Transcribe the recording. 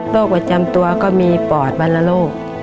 โรคประจำตวาก็มีปอดใบละโลก